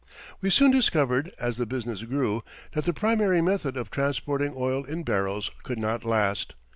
We soon discovered, as the business grew, that the primary method of transporting oil in barrels could not last.